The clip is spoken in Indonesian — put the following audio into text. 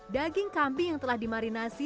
daging kambing yang telah dimarinasi